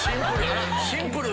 シンプル！